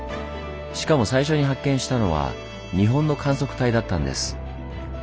しかも最初に発見したのは日本の観測隊だったんです。